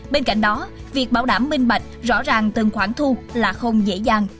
bên cạnh đó việc bảo đảm minh bạch rõ ràng từng khoản thu là không dễ dàng